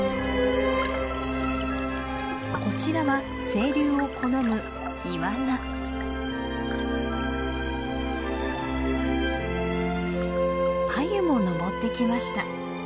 こちらは清流を好むアユも上ってきました。